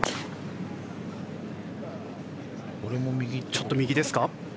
ちょっと右ですか。